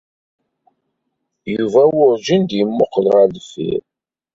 Yuba werjin d-yemmuqqel ɣer deffir.